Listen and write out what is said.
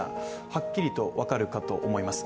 はっきりと分かるかと思います。